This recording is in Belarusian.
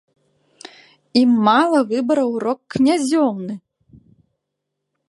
Ім мала выбараў рок-князёўны!